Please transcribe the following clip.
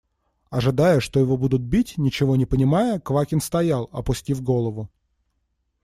Ожидая, что его будут бить, ничего не понимая, Квакин стоял, опустив голову.